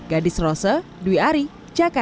gadis rose dwi ari jakarta